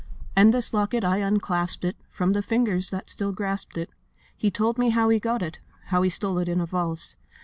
'And this locket, I unclasped it From the fingers that still grasped it: He told me how he got it, How he stole it in a valse.